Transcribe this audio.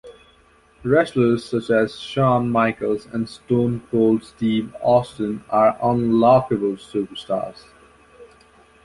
Wrestlers such as Shawn Michaels and Stone Cold Steve Austin are unlockable superstars.